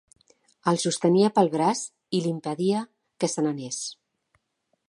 El sostenia pel braç i l'impedia que se n'anés.